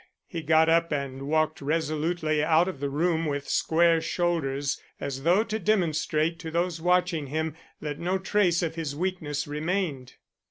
He got up and walked resolutely out of the room with square shoulders, as though to demonstrate to those watching him that no trace of his weakness remained.